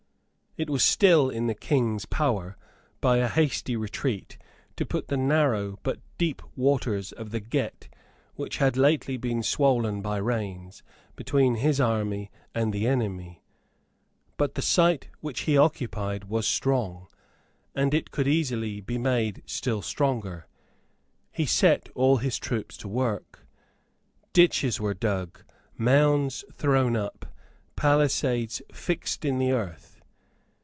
It was still in the King's power, by a hasty retreat, to put the narrow, but deep, waters of the Gette, which had lately been swollen by rains, between his army and the enemy. But the site which he occupied was strong; and it could easily be made still stronger. He set all his troops to work. Ditches were dug, mounds thrown up, palisades fixed in the earth.